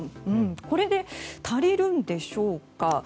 これで足りるんでしょうか。